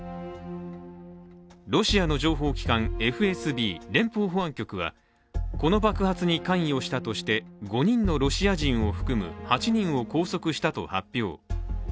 ロシアの情報機関ＦＳＢ＝ロシア連邦保安庁はこの爆発に関与したとして、５人のロシア人を含む８人を拘束したと発表。